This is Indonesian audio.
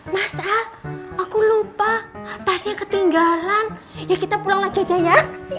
mas al aku lupa tasnya ketinggalan ya kita pulang lagi aja ya